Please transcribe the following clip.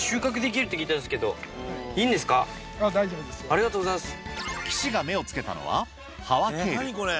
ありがとうございます。